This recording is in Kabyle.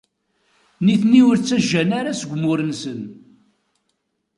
Nitni ur ttajjan ara seg umur-nsen.